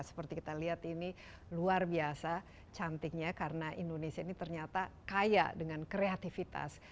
seperti kita lihat ini luar biasa cantiknya karena indonesia ini ternyata kaya dengan kreativitas